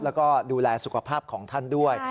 แล้วก็ดูแลสุขภาพของท่านด้วย